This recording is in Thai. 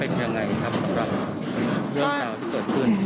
เป็นยังไงครับสำหรับเรื่องราวที่เกิดขึ้น